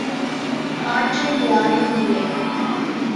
ஆற்றில் யாரும் இல்லை.